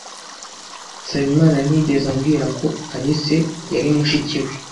Nsabimana ntiyigeze ambwira ko Alice yari mushiki we.